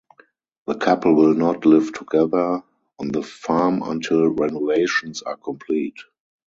The couple will not live together on the farm until renovations are complete.